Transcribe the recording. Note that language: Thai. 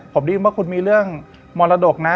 ผมได้ยินว่าคุณมีเรื่องมรดกนะ